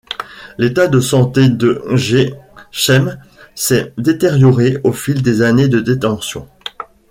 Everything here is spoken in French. L'état de santé de Gechem s'est détérioré au fil des années de détention.